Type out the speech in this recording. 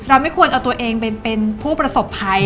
ไม่ควรเอาตัวเองเป็นผู้ประสบภัย